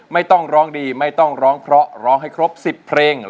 ไม่ต้องร้องดีไม่ต้องร้องเพราะร้องให้ครบ๑๐เพลง